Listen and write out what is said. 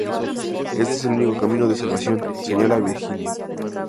Este es el único camino de salvación, señala Virgilio.